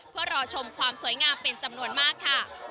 เพื่อรอชมความสวยงามเป็นจำนวนมากค่ะ